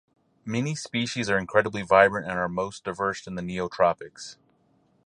Many species are incredibly vibrant and are most diverse in the neotropics.